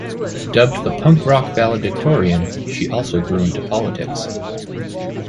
Dubbed the "punk-rock valedictorian," she also grew into politics.